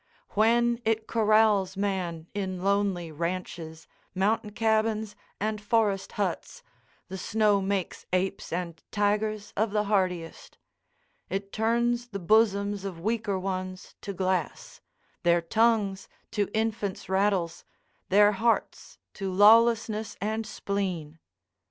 When it corrals man in lonely ranches, mountain cabins, and forest huts, the snow makes apes and tigers of the hardiest. It turns the bosoms of weaker ones to glass, their tongues to infants' rattles, their hearts to lawlessness and spleen.